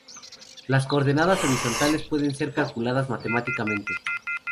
Las coordenadas horizontales pueden ser calculadas matemáticamente.